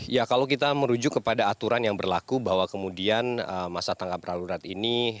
ya kalau kita merujuk kepada aturan yang berlaku bahwa kemudian masa tangkap darurat ini